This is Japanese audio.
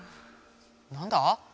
何だ？